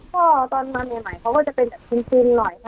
ก็ตอนมาใหม่เขาก็จะเป็นแบบจริงหน่อยค่ะ